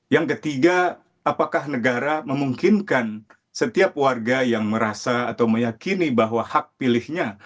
yang ketiga apakah negara memungkinkan setiap warga yang merasa atau meyakini bahwa hak pilihnya